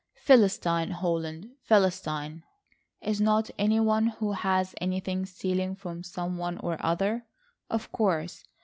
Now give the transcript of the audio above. "Philistine, Holland, philistine! Is not any one who has anything stealing from some one or other? Of course.